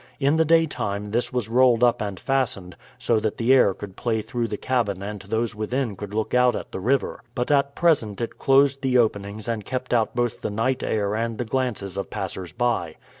In the daytime this was rolled up and fastened, so that the air could play through the cabin and those within could look out at the river; but at present it closed the openings and kept out both the night air and the glances of passers by.